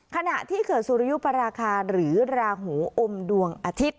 ขณะที่เกิดสุริยุปราคาหรือราหูอมดวงอาทิตย์